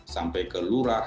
sampai ke lurah